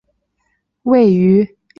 位于板桥区南部。